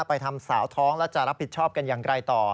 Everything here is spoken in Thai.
ไปทำสาวท้องแล้วจะรับผิดชอบกันอย่างไรต่อ